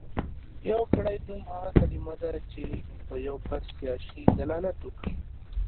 يوګړی نوم هغه کلمه ده چې په يو کس يا شي دلالت وکړي.